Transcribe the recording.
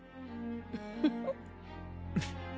フッフフ。